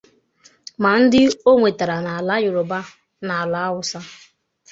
ma ndị o nwetara n'ala Yoruba na n'ala Hausa.